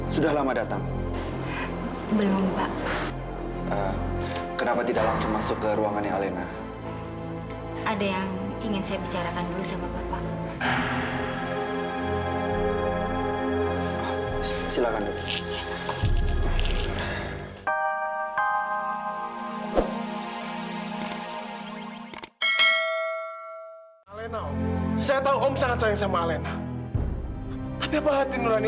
sampai jumpa di video selanjutnya